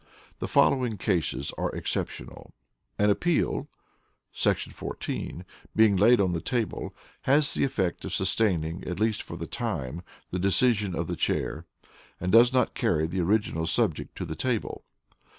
The following cases are exceptional: (a) An appeal [§ 14] being laid on the table, has the effect of sustaining, at least for the time, the decision of the Chair, and does not carry the original subject to the table.